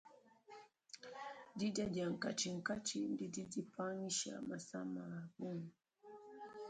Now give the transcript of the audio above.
Didia dia nkatshinkatshi didi dipangisha masama a bungi.